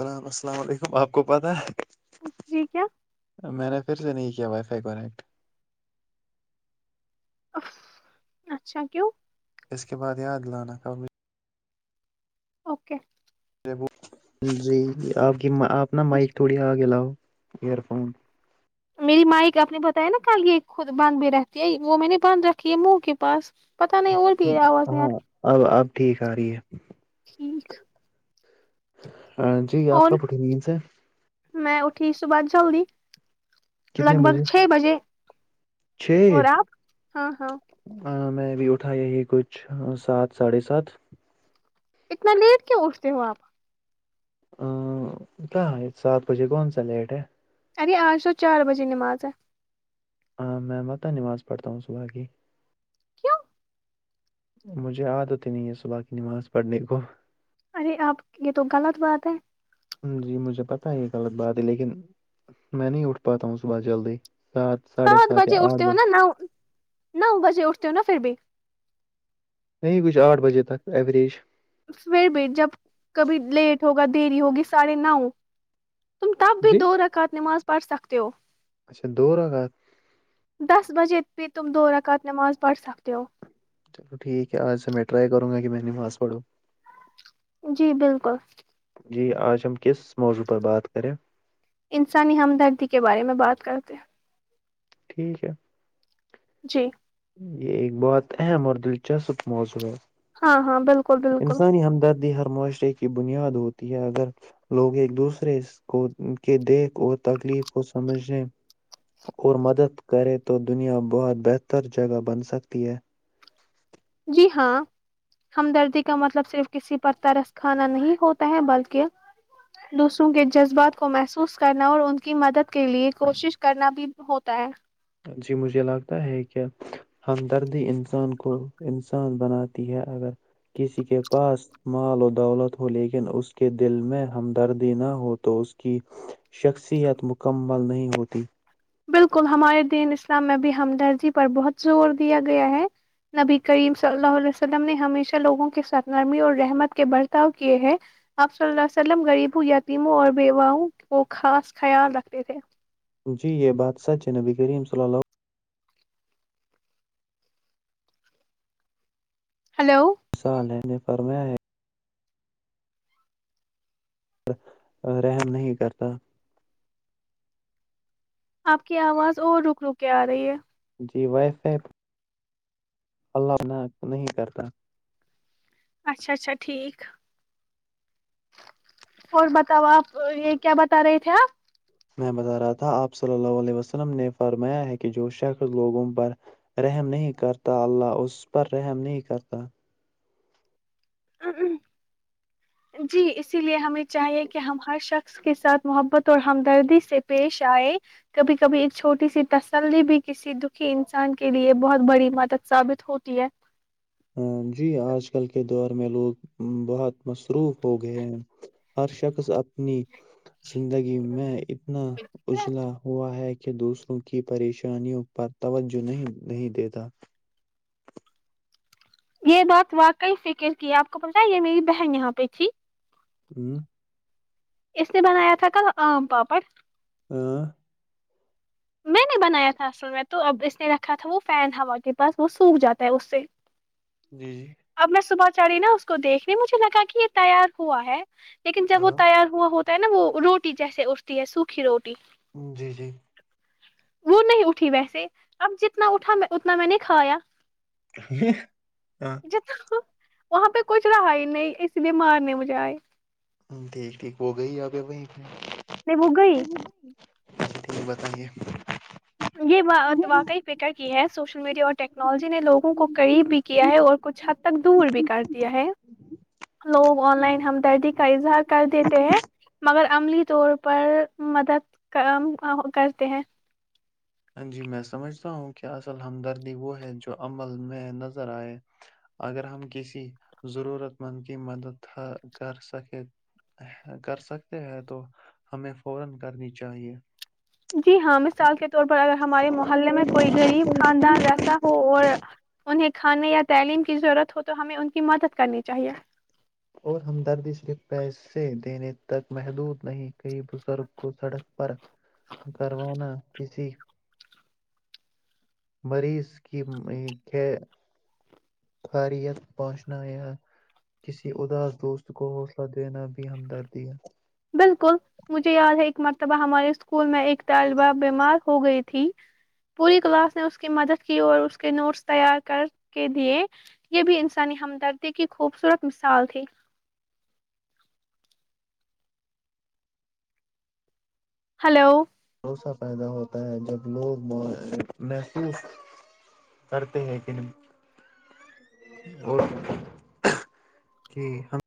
الل السلام علیکم ت آپ کو پتا جی کیا ہے میں نے پھر سے نہیں کیا وائی فائی کنیکٹ اچھا کیوں اس کے بعد یاد لانا کبھی اوکے [unintelligible] کہ آ اپنا مائک تھوڑی آ گ لاؤ ایر فون میری مائ ایک آپ نے بتایا نا کل یہ خود باند بھی رہتی ہے وہ میں نے باندھ رکھی ہے منہ کے پاس پتا نہیں اور بھی آواز نہیں آ ہاں رہی اب اب ٹھیک آ رہی ہے ٹھیک، جی آپ اور کب اٹھی نیند سے میں اٹھی صبح چلی لگ بگ چھ بجے چھ اور آپ ہاں ہاں میں بھی اٹھا یہی کچھ سات ساڑھے سات اتنا لیٹ کی اٹھتے ہو آپ ا کیا سات بجے کون سا لیٹ ہے ارے آج س چار بجے نمازیں میں متاح نماز پڑھتا ہوں صبح کی کیوں مجھے یاد ہوتی نہیں ہے صلا کی نماز پڑھنے کو ارے آپ یہ تو غلط بات ہے جی مجھے پتہ ہے یہ غلط بات ہے لیکن میں نہیں اٹھ پاتا ہوں صبح جلدی سات بجے اٹھتے ہو نا نو نو بجے اٹھتے ہو نا پھر بھی نہیں کچھ آٹھ بجے تک ایوریج سویر بھی جب کبھی لیٹ ہوگا تری ہوگی ساڑھے نو تم تب بھی جی دو رکھا نماز پڑھ سکتے ہو اچھا دو رگات پ تم دو رکط نماز پڑھ سک ہو چلو ٹھیک ہے آج سے میں ٹرائی کروں گا کہ میں نےواز پڑھوں [unintelligible] جی آج ہم کس موضوع پر بات کریں انسانی ہمدردی کے بارے میں بات کرتے ٹھیک ہے جی یہ ایک بہت اہم اور دلچسپ موضوع ہے ہاں ہاں بالکل بالکل انسانی ہمدردی ہر معاشرے کی بنیاد ہوتی ہے اگر لوگ ایک دوسرے کو کے دیکھ اور تکلیف کو سمجھنے اور مدد کرے تو دنیا بہت بہتر جگہ بن سکتی ہے جی ہاں ہمدردی کا مطلب صرف کسی پر ترس کھانا نہیں ہوتا ہے بلکہ دوسروں کے جذبات کو محسوس کرنا اور ان کی مدد کے لیے کوشش کرنا بھی ہوتا ہے جی مجھے لگتا ہے کہ ہمدردی انسان کو انسان بناتی ہے اگر کسی کے پاس مال و دولت ہو لیکن اس کے دل میں ہمدردی نہ ہو تو اس کی شخصیت مکمل نہیں ہوتی بالکل ہمارے دین اسلام میں بھی ہمدردی پر بہت زور دیا گیا ہے نبی کریم صلی اللہ علیہ وسلم نے ہمیشہ لوگوں کے ساتھ نرمی اور رحمت کے برتاؤ کیے ہے آپ صلی اللہ عیہ وسلم غریبوں یتیموں اور بیواؤں کو خاص خیال رکھتے تھے جی یہ بات سچ ہے نبی کریم صلی ال ہلو حصا لینے فرم ہے رحم نہیں کرتا آپ کی آواز اور رک رک آ رہی ہے جی وائی فائی اللہن نہیں کرتا اچھا اچھا ٹھیک اور بتاؤ آپ یہ کیا بتا رہے تھے آپ میں بتا رہا تھا آپ صلی اللہ علیہ وسلم نے فرمایا ہے کہ جو شخص لوگوں پر رحم نہیں کرتا اللہ اس پر رحم نہیں کرتا جی اسی لیے ہمیں چاہیے کہ ہم ہر شخص کے ساتھ محبت اور ہمدردی سے پیش آئے کبھی کبھی ایک چھوٹی سی تسلی بھی کسی دکھی انسان کے لیے بہت بڑی مدد ثابت ہوتی ہے ہ جی آج کل کے دور میں لوگ بہت مصروف ہو گئے ہیں ہر شخص اپنی زندگی میں نہ اجلا ہوا ہے کہ دوسروں کی پریشانیوں پر توجہ نہیں نہیں دیتا یہ بات واقعی فکر کی ہے آپ کو پت یہ میری بہن یہاں پہ تھی ہوں اس نے بنایا تھا کا آم پاپڑ ااں میں نے بنایا تھا اصل میں تو اب اس نے رکھا تھا وہ فین ہوا کے پاس وہ سوکھ جاتا ہے اس سے جی جی اب میں صبح چڑھی نا اس کو دیکھنے مجھے لگا کہ یہ تیار ہوا ہے لیکن جب وہ ہاں تیار ہوا ہوتا ہے نا وہ روٹی جیسے اٹھتی ہے سوکھی روٹی جی جی وہ نہیں اٹھی ویسے اب جتنا اٹھا اتنا میں نے کھایا ہاں جتنا وہاں پہ کچھ رہا ہی نہیں اسی لیے مارنے مجھے آئے ہ ٹھیک ٹھیک وہ گئی آپہ وہیں میں بگئی ج تیں بتائیے یہ واقعی فکر کی ہے سوشل میڈیا اور ٹیکس ٹیکنالوجی نے لوگوں کو قریب بھی کیا ہے اور کچھ حد تک دور بھی کر دیا ہے لوگ آن لائن ہمدردی کا اظہار کر دیتے ہیں مگر عملی طور پر مدد کا کرتے ہیں [inaudible] جی ہاں مثال کے ط اگر ہمارے محلے میں کوئی غریب خاندان رہتا ہو اور انہیں کھانے یا تعلیم کی ضرورت ہو تو ہمیں ان کی مدد کرنی چاہیے اور ہمدردی صرف پیسے دینے تک محدود نہیں کئی بزرگ کو سڑک پر کروانا کسی مریض کی خاریت پہنچنا یا کسی اداس دوست کو حوصلہ دینا بھی ہمدردی ہے بالکل مجھے یاد ہے ایک مرتبہ ہمارے اسکول میں ایک طالبہ تھی ہلو ا پیدا ہوتا ہے جب لوگ محسوس کرتے ہیں کہ ہم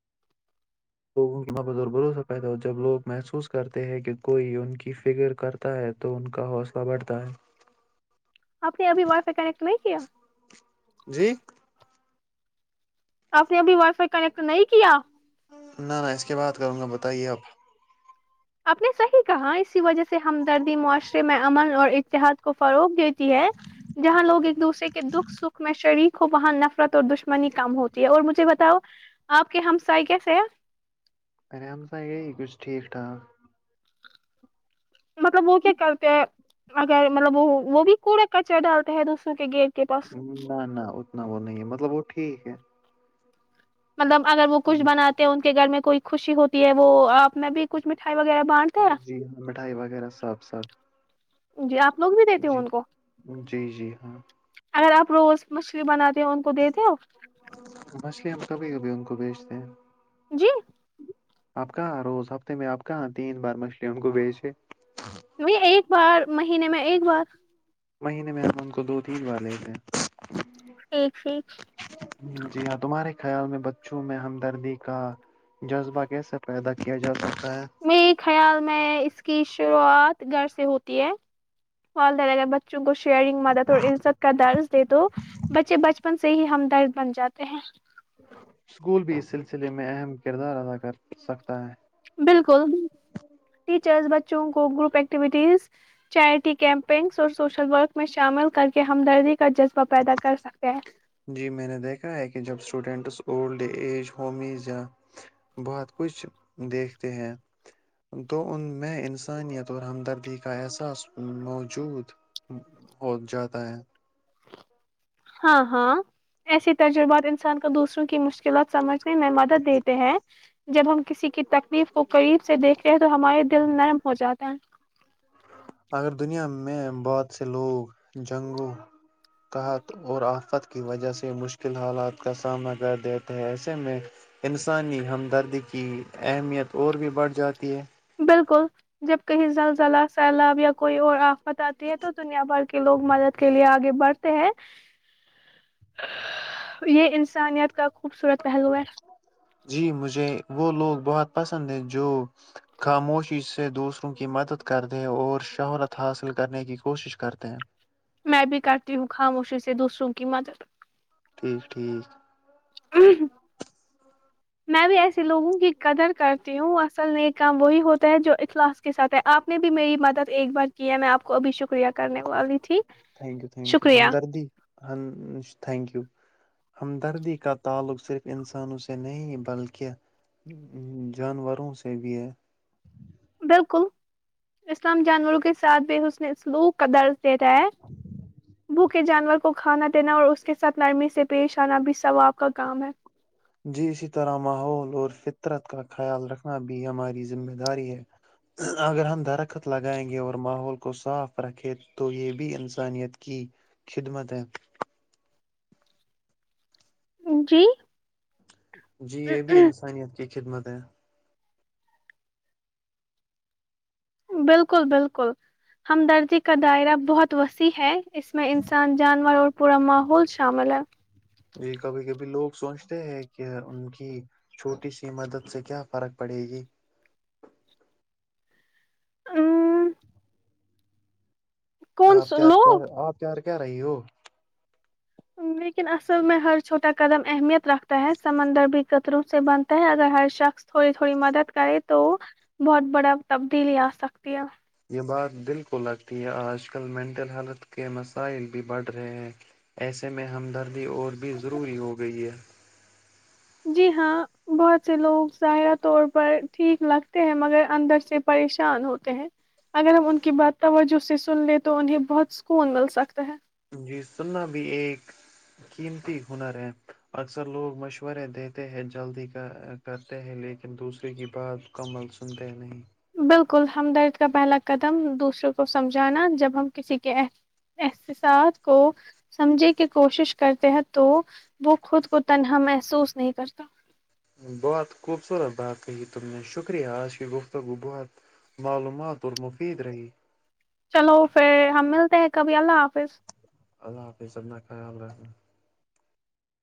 لوگوں کی مبد اور بھروسہ پیدا ہو جب لوگ محسوس کرتے ہیں کہ کوئی ان کی فکر کرتا ہے تو ان کا حوصلہ بڑھتا ہے آپ نے ابھی وائ پ کنیکٹ نہیں کیا جی آپ نے ابھی وائی فائی کنیکٹ نہیں کیا نہ نہ اس کے بعد کروں گا بتائیے اپ آپ نے صحیح کہا اسی وجہ سے ہم دردی معاشرے میں امن اور اتحاد کو فروغ دیتے ہے جہاں لوگ ایک دوسرے کے دکھ سکھ میں شریر وہاں نفرت اور دشمنی کم ہوتی ہے اور مجھے بتاؤ آپ کے ہمسائے کیسے ہیں آرام سا یہ یہ کس ٹھیک ٹھاک مطلب وہ کیا کرتے ہیں اگر مطلب وہ وہ بھی کوڑے کچر ڈالتے ہے دوسروں کے گید نہ نہ اتنا وہ نہیں ہے مطلب وہ ٹھیک ہے مطلب اگر وہ کچھ بناتے کے گھر میں کوئی خوشی ہوتی ہے وہ آپ میں بھی کچھ مٹھ جی ہاں مٹھائی وغیرہ صاف صاف جی آپ لوگ بھی دیتے ہو جی ان کو جی جی ہاں اگر آپ روز مچھلی بناتے ہو ان کو دیتے ہو مچھلیاں میں کبھی کبھی کو بیچتے ہیں جی آپ کہاں روز ہفتے میں آپ کہاں تین بار مچھلی ہم کو بیچے نہیں ایک بار مہینے میں ایک بار مہینے میں ہم ان کو دو تین بار لیتے ہیں ی ی جی ہاں تمہارے خیال میں بچوں میں ہمدردی کا جذبہ کیسے پیدا کیا جاتا میرے خیال میں اس کی شروعات گھر سے ہوتی ہے فدہگر ب بچوں کو شیئرنگ مدد اور عزت کا درج دے دو بچے بچپن سے سے ہی ہم درد بن جاتے ہیں اسکول بھی اس سلسلے میں اہم کردار ادا کر سکتا ہے چرس بچوں کو گروپ ایکٹیوٹیز چیریٹی کیمپنگس اور سوشل ورک میں شامل کر کے ہمدردی کا جذبہ پیدا کر سکتے ہیں جی میں نے دیکھا ہے کہ جب اسٹوڈنٹس اولڈ ایج ہومیز یا بہت کچھ دیکھتے ہیں تو ان میں انسانیت اور ہمدردی کا احساس موجود ہو جاتا ہے ہاں ہاں ایسی تجربات انسان کو دوسروں کی مشکلات سمجھ اس میں مدد دیتے ہیں جب ہم کسی کی تکلیف کو قریب سے دیکھتے ہیں تو ہمارے دل نرم ہو جاتا ہیں اگر دنیا میں بہت سے لوگ جنگوں تحت اور آفت کی وجہ سے مشکل حالات کا سامنا کر دیتے ہیں ایسے میں انسانی ہمدردی کی اہمیت اور بھی بڑھ جاتی ہے بالکل جب کہیں زلزلہ، سیلاب یا کوئی اور بتاتی ہے تو دنیا بھر کے لوگ مدد کے لیے آگے بڑھ ہیں یہ انسانیت کا خوبصورت پہلو ہے جی مجھے وہ لوگ بہت پسند ہے جو خاموشی سے دوسروں کی مدد کردیں اور شہرت حاصل کرنے کی کوشش کرتے ہیں میں بھی کرتی ہوں خاموشی سے دوسروں کی مدد ٹھیک ٹھیک میں بھی ایسے لوگوں کی قدر کرتی ہوں اصل نیک کام وہی ہوتا ہے جو اخلاص کے ساتھ ہے آپ نے بھی میری مدد ایک بار کی ہے میں آپ کو ابھی شکریہ کرنے والی تھی تھینکیو تھینکیو شکریہ ہمدردی ہم تھینکیو ہمدردی کا تعلق صرف انسانوں سے نہیں بلکہ جانوروں سے بھی ہے بالکل اسلام جانوروں کے ساتھ بھی حسن سلوک کا درس دیتا ہے بھوکے جانور کو کھانا دینا اور اس کے ساتھ نرمی سے پیش آنا بھی ثواب کا کام ہے جی اسی طرح ماحول اور فطرت کا خیال رکھنا بھی ہماری ذمہ داری ہے اگر ہم درخت لگائیں گے اور ماحول کو صاف رکھے تو یہ بھی انسانیت کی خدمت ہے جی جی یہ بھی انسانیت کی خدمت ہیں بالکل بالکل ہمدردی کا دائرہ بہت وسیع ہے اس میں انسان جانور اور پورا ماحول شامل ہے جی کبھی کبھی لوگ سوچتے ہیں کہ ان کی چھوٹی سی مدد سے کیا فرق پڑے گی [unintelligible] کون آپ کیا لو کیا آپ کیا کر رہی ہو لیکن اصل میں ہر چھوٹا قدم اہمیت رکھتا ہے سمندر بھی کتروں سے بنتا ہے اگر ہر شخص تھوڑی تھوڑی مدد کرے تو بہت بڑا تبدیلی آسکتی ہے یہ بات دل کو لگتی ہے آج کل مینٹل ہیلتھ کے مسائل بھی بڑھ رہے ہیں ایسے میں ہمدردی اور بھی ضروری ہو گئی ہے جی ہاں بہت سے لوگ ظاہرہ طور پر ٹھیک لگتے ہیں مگر اندر سے پریشان ہوتے ہیں اگر ہم ان کی بات توجہ سے سن لیں تو انہیں بہت سکون مل سکتا ہے جی سننا بھی ایک قیمتی ہنر ہے اکثر لوگ مشورے دیتے ہیں جلدی کا کرتے ہیں لیکن دوسرے کی بات مکمل سنتے نہیں بالکل ہمدرد کا پہلا قدم دوسروں کو سمجھانا جب ہم کسی کے احساس کو سمجھنے کی کوشش کرتے ہیں تو وہ خود کو تنہا محسوس نہیں کرتا بہت خوبصورت بات کہی تم نے شکریہ آج کی گفتگو بہت معلومات اور مفید رہی چلو پھر ہم ملتے ہیں کبھی اللہ حافظ اللہ حافظ اپنا خیال رکھنا